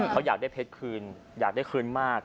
เขาอยากได้เพชรคืนอยากได้คืนมาก